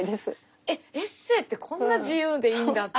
エッセーってこんな自由でいいんだって。